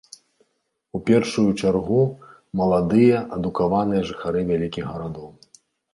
У першую чаргу, маладыя, адукаваныя жыхары вялікіх гарадоў.